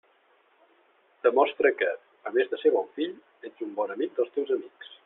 Demostra que, a més de ser bon fill, ets un bon amic dels teus amics.